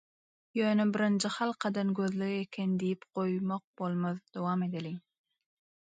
Ýöne birinji halkadan gözleg eken diýip goýmak bolmaz, dowam edeliň.